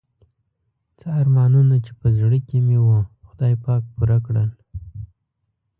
څه ارمانونه چې په زړه کې مې وو خدای پاک پوره کړل.